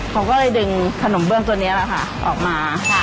เขาก็เลยดึงขนมเบื้องตัวนี้แหละค่ะออกมา